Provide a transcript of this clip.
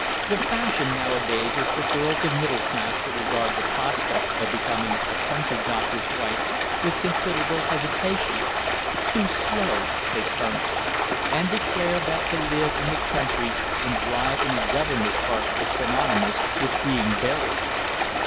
The fashion nowadays is for girls of middle class to regard the prospect of becoming a country doctor's wife with considerable hesitation "too slow," they term it; and declare that to live in the country and drive in a governess cart is synonymous with being buried.